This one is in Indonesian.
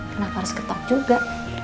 kenapa harus ketok juga